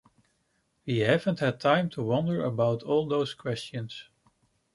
We haven't had time to wonder about all those questions!